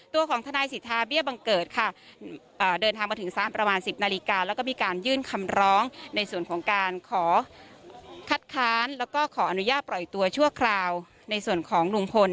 ตัวของทนายสิทธาเบี้ยบังเกิดค่ะเดินทางมาถึงศาลประมาณ๑๐นาฬิกาแล้วก็มีการยื่นคำร้องในส่วนของการขอคัดค้านแล้วก็ขออนุญาตปล่อยตัวชั่วคราวในส่วนของลุงพล